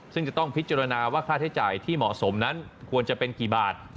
ซึ่งจะต้องพิจารณาว่าค่าใช้จ่ายที่เหมาะสมนั้นควรจะเป็นกี่บาท